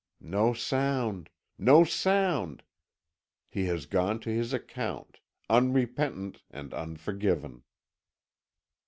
No sound no sound! He has gone to his account, unrepentant and unforgiven!"